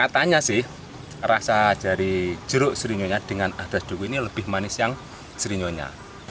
nyatanya sih rasa dari jeruk serinyonya dengan adat duku ini lebih manis yang serinyonya